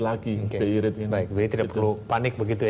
baik jadi tidak perlu panik begitu ya